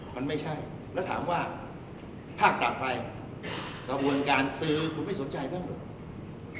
มันไม่ใช่แล้วถามว่าภาคต่อไปกระบวนการซื้อคุณไม่สนใจบ้างเหรอ